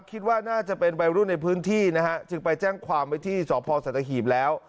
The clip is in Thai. คิดว่าน่าจะเป็นวัยรุ่นในพื้นที่นะฮะจึงไปแจ้งความไว้ที่สพสัตหีบแล้ว